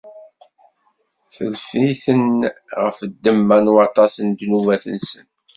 Tlef-iten ɣef ddemma n waṭas n ddnubat-nsen.